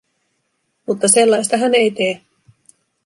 Mutta sellaista hän ei tee.